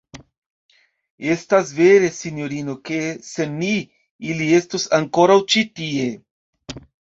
Estas vere, sinjorino, ke, sen ni, ili estus ankoraŭ ĉi tie.